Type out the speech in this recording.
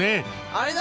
あれだ！